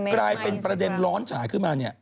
กลายเป็นประเด็นร้อนฉาขึ้นมาเนี่ย